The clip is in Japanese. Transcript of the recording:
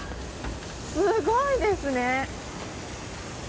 すごいですね。